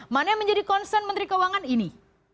mana yang menjadi concern menteri keuangan ini